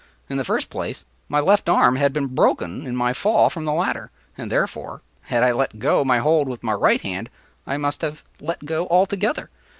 In the first place, my left arm had been broken in my fall from the ladder, and, therefore, had I let go my hold with the right hand, I must have let go altogether.